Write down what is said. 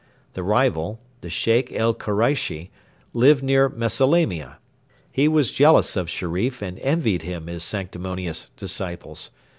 The rival, the Sheikh el Koreishi, lived near Mesalamia. He was jealous of Sherif and envied him his sanctimonious disciples.